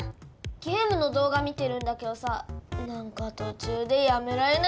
ゲームの動画見てるんだけどさ何か途中でやめられないんだよ。